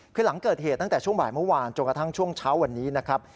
คือหลังเกิดเหตุตั้งแต่ช่วงบ่ายเมื่อวานจนกระทั่งช่วงเช้าวันนี้นะครับ